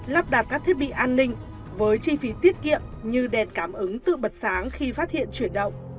lắp đặt các thiết bị an ninh với chi phí tiết kiệm như đèn cảm ứng tự bật sáng khi phát hiện chuyển động